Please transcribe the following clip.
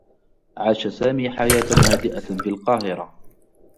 عاش سامي حياة هادئة في القاهرة.